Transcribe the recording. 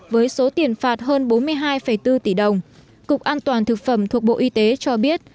với số tiền phạt hơn bốn mươi hai bốn tỷ đồng cục an toàn thực phẩm thuộc bộ y tế cho biết